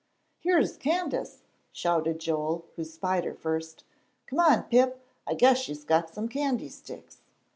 "Here's Candace!" shouted Joel, who spied her first. "Come on, Pip, I guess she's got some candy sticks."